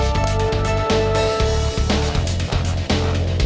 jadi saat aku datang nanti